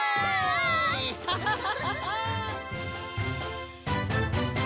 ハハハハ！